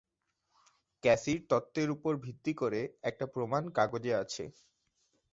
ক্যাসির তত্ত্বের উপর ভিত্তি করে একটা প্রমাণ কাগজে আছে।